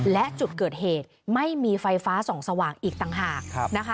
และจุดเกิดเหตุไม่มีไฟฟ้าส่องสว่างอีกต่างหากนะคะ